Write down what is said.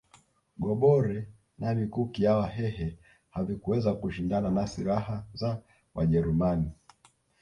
Gobore na mikuki ya wahehe havikuweza kushindana na silaha za wajerumani